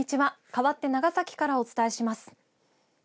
かわって長崎からお伝えします。